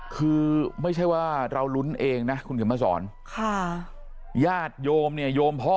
คือไม่ใช่ว่าเรารุ้นเองนะคุณเขียนมาสอนค่ะญาติโยมเนี่ยโยมพ่อ